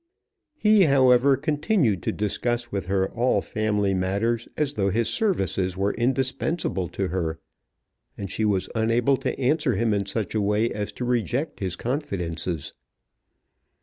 He, however, continued to discuss with her all family matters as though his services were indispensable to her; and she was unable to answer him in such a way as to reject his confidences.